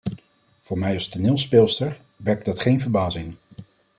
Voor mij als toneelspeelster wekt dat geen verbazing.